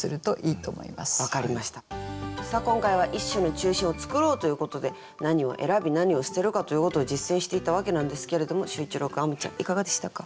さあ今回は「一首の中心を創ろう」ということで何を選び何を捨てるかということを実践していたわけなんですけれども秀一郎君あむちゃんいかがでしたか？